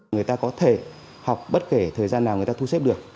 người ta có thể học bất kể thời gian nào người ta thu xếp được